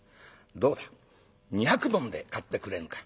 どうだ２百文で買ってくれぬか？」。